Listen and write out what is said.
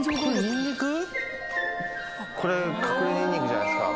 これ隠れニンニクじゃないですか？